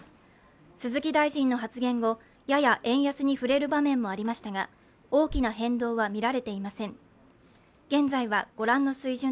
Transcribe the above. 鈴木大臣の発言後、やや円安に振れる場面もありましたが、大きな変動は見られていません。